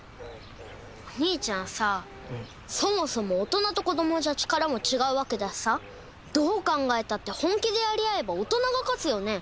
おにいちゃんさそもそも大人と子どもじゃ力も違う訳だしさどう考えたって本気でやり合えば大人が勝つよね。